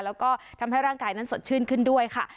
แล้วก็ทำให้ร่างกายนั้นสดชื่นขึ้นด้วยค่ะ